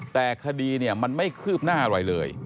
แต่คดีเนี่ยมันไม่คืบหน้าไว้เลย